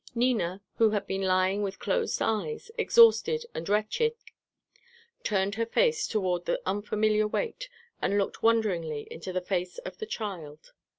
Nina, who had been lying with closed eyes, exhausted and wretched, turned her face toward the unfamiliar weight, and looked wonderingly into the face of the child.